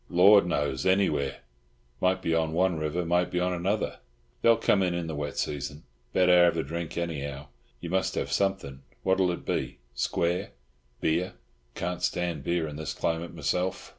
"Lord knows! Anywhere! Might be on one river, might be on another. They'll come in in the wet season. Better have a drink, anyhow. You must have something. What'll it be—square? Beer? Can't stand beer in this climate, myself."